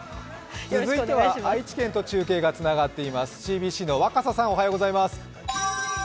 続いては愛知県と中継がつながっています、ＣＢＣの若狭さん。